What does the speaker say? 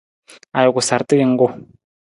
Ajuku sarta jungku.